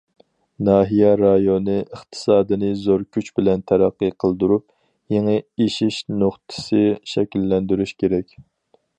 ناھىيە رايونى ئىقتىسادىنى زور كۈچ بىلەن تەرەققىي قىلدۇرۇپ، يېڭى ئېشىش نۇقتىسى شەكىللەندۈرۈش كېرەك.